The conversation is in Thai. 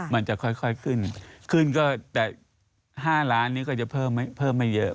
มันจะค่อยขึ้นขึ้นก็แต่๕ล้านนี้ก็จะเพิ่มไม่เยอะ